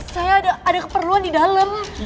saya ada keperluan di dalam